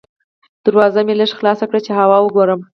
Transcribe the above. دروازه مې لږه خلاصه کړه چې هوا وګورم.